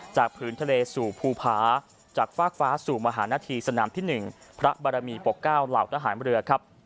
ผืนทะเลสู่ภูผาจากฟากฟ้าสู่มหานาธีสนามที่๑พระบารมีปกเก้าเหล่าทหารเรือครับ